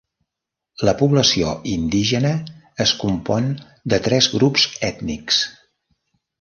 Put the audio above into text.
La població indígena es compon de tres grups ètnics.